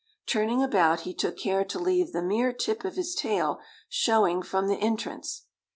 Turning about he took care to leave the mere tip of his tail showing from the entrance.